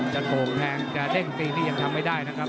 โก่งแทงจะเด้งตีนี่ยังทำไม่ได้นะครับ